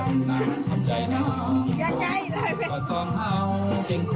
โดยเดี๋ยวสมมะใจคำเถอะเข้ากลัวผ่าน